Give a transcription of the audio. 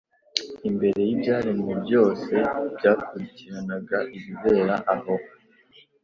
Imbere y'ibyaremwe byose byakurikiranaga ibibera aho,